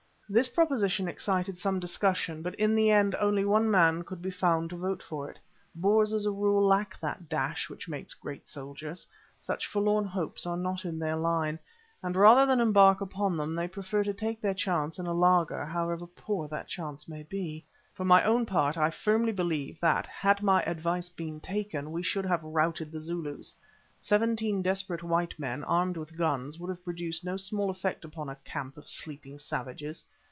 This proposition excited some discussion, but in the end only one man could be found to vote for it. Boers as a rule lack that dash which makes great soldiers; such forlorn hopes are not in their line, and rather than embark upon them they prefer to take their chance in a laager, however poor that chance may be. For my own part I firmly believe that had my advice been taken we should have routed the Zulus. Seventeen desperate white men, armed with guns, would have produced no small effect upon a camp of sleeping savages.